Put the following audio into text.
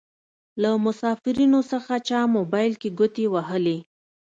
له مسافرينو څخه چا موبايل کې ګوتې وهلې.